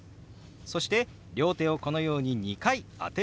そして両手をこのように２回当てるようにします。